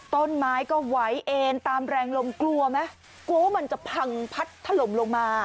ต้นไม้ก็ไหวเอ็นตามแรงลมกลัวไหมกลัวว่ามันจะพังพัดถล่มลงมา